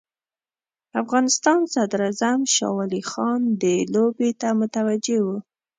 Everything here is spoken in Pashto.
افغانستان صدراعظم شاه ولي خان دې لوبې ته متوجه وو.